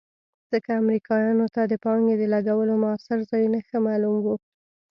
ځکه امریکایانو ته د پانګې د لګولو مؤثر ځایونه ښه معلوم وو.